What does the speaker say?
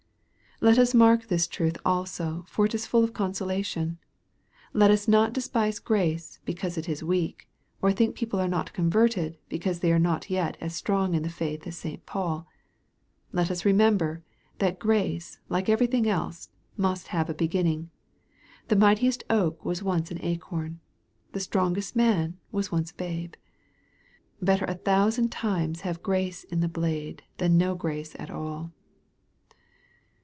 Let us mark this truth also, for it is full of consolation. Let us not despise grace, because it is weak, or think people are not converted, because they are not yet as strong in the faith as St. Paul. Let us remember that ^race, like everything else, must have a beginning. The Mightiest oak was once an acorn. The strongest man fvas once a babe. Better a 'thousand times have grace in the blade than no grace at all.